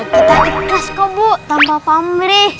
kita ikus kok bu tanpa pamrih